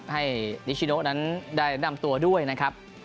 ให้นิชิโนนั้นได้นำตัวด้วยนะครับ